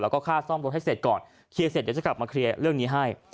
แล้วก็ค่าซ่อมรถให้เสร็จก่อนเคลียร์เสร็จเดี๋ยวจะกลับมาเคลียร์เรื่องนี้ให้